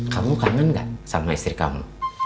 kamu kangen gak sama istri kamu